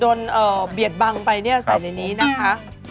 โดนเอ่อเบียดบังไปเนี่ยใส่ในนี้นะคะครับ